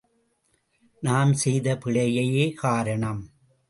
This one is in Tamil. நாம் செய்த பிழையே காரணம்.